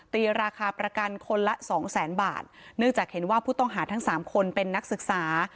ตีราคาประกันคนละสองแสนบาทเนื่องจากเห็นว่าผู้ต้องหาทั้งสามคนเป็นนักศึกษา